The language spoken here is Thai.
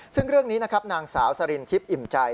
ซึ่งเรื่องนี้นะครับนางสาวสรินทิพย์อิ่มใจ